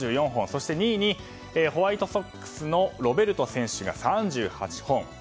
そして２位にホワイトソックスのロベルト選手が３８本。